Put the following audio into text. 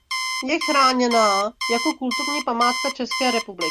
Je chráněna jako kulturní památka České republiky..